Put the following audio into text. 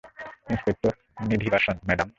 Inspector Nidhibasan, madam.